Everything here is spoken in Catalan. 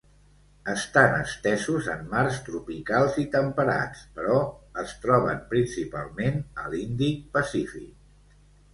Estan estesos en mars tropicals i temperats, però es troben principalment a l'Indic-Pacífic.